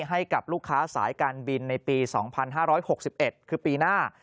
ให้กับลูกค้าสายการบินในปี๒๕๖๑คือปีหน้า